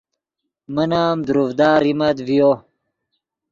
من ام دروڤدا ریمت ڤیو